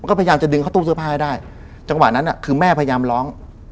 ก็พยายามจะดึงเข้าตู้เสื้อผ้าให้ได้จังหวะนั้นคือแม่พยายามร้อง